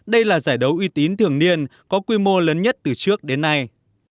đây là giải đấu uy tín thường niên có quy mô lớn nhất từ trước đến nay